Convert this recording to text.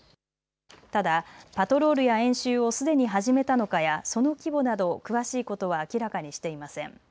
ただパトロールや演習をすでに始めたのかやその規模など詳しいことは明らかにしていません。